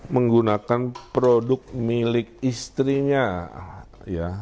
menggunakan produk milik istrinya ya